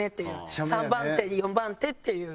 ３番手４番手っていう。